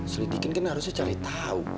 selidikin kan harusnya cari tahu